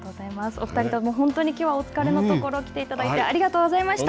お２人とも、本当にきょうはお疲れのところ来ていただいて、ありがとうございました。